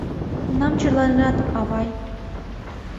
— Кунам черланенат, авай?